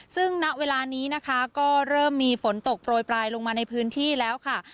ซึ่งณเวลานี้นะคะก็เริ่มมีฝนตกโปรยปลายลงมาในพื้นที่แล้วค่ะ